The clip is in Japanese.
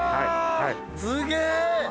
すげえ！